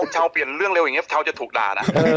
ชาวเปลี่ยนเรื่องเร็วอย่างนี้ชาวจะถูกด่านะ